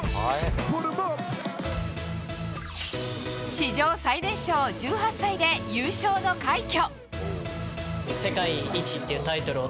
史上最年少１８歳で優勝の快挙。